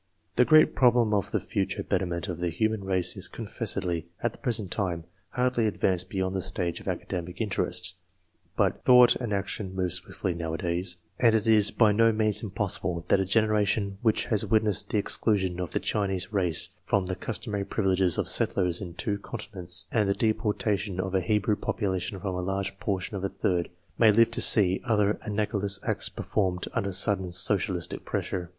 1 The great problem of the future betterment of the human race is confessedly, at the present time, hardly advanced beyond the stage of academic inter est, but thought and action move swiftly nowadays, and it is by no means impossible that a generation which has witnessed the exclusion of the Chinese race from the cus tomary privileges of settlers in two continents, and the deportation of a Hebrew population from a large portion of a third, may live to see other analogous acts performed under sudden socialistic pressure.